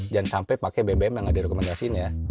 jangan sampai pakai bbm yang nggak direkomendasiin ya